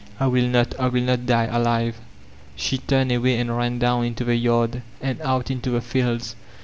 I will not, I will not die alive." She turned away and ran down into the yard and out into the fields.